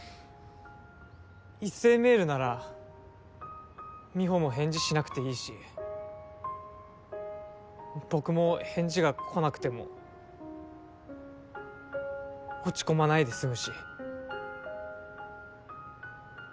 一斉メールなら美帆も返事しなくていいし僕も返事が来なくても落ち込まないで済むし。